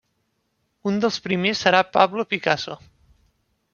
Un dels primers serà Pablo Picasso.